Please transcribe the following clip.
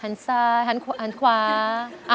หันซ้ายหันขวา